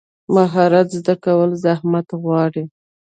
مهارت زده کول زحمت غواړي.